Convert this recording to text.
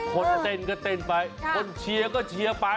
คนเต้นก็เต้นไปคนเชียร์ก็เชียร์ไป